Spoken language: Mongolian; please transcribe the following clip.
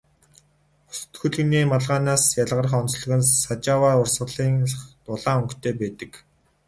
Бусад хөлгөний малгайнаас ялгарах онцлог нь Сажава урсгалынх улаан өнгөтэй байдаг.